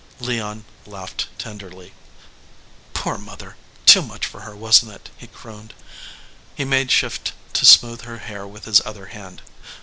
Leon laughed tenderly. "Poor mother! Too much for her, wasn t it?" he crooned. He made shift to smooth her hair with his other hand.